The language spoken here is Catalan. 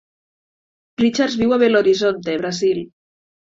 Richards viu a Belo Horizonte, Brasil.